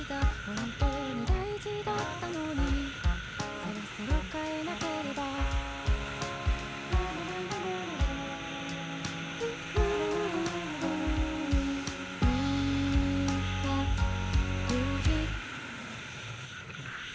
本当に大事だったのにそろそろ変えなければあ、夕陽。